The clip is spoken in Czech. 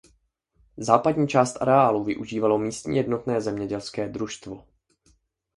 Západní část areálu využívalo místní jednotné zemědělské družstvo.